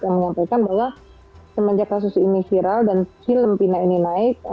yang menyampaikan bahwa semenjak kasus ini viral dan film pina ini naik